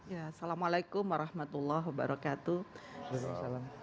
ya assalamualaikum warahmatullah wabarakatuh